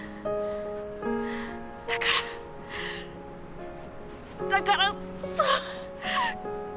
だからだからその。